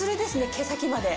毛先まで。